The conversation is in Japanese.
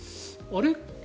あれ？